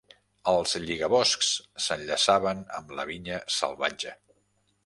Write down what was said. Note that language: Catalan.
Els lligaboscs s'enllaçaven amb la vinya salvatge.